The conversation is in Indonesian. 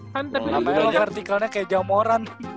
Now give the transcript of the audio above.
kalau lah melo vertikalnya kayak jamoran